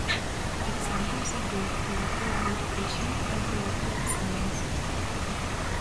Examples include prorector of education and prorector of science.